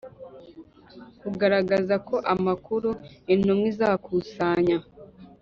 Kugaragaza ko amakuru intumwa izakusanya